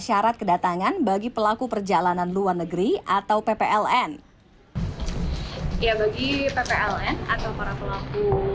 syarat kedatangan bagi pelaku perjalanan luar negeri atau ppln ya bagi ppln atau para pelaku